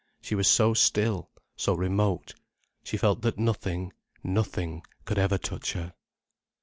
She was so still, so remote, she felt that nothing, nothing could ever touch her.